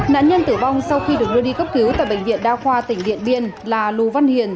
nạn nhân tử vong sau khi được đưa đi cấp cứu tại bệnh viện đa khoa tỉnh điện biên là lù văn hiền